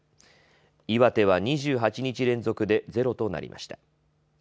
岩手は２８日連続でゼロとなりました。